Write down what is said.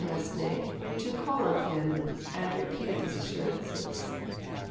Mastny to call on him, and repeated these assurances.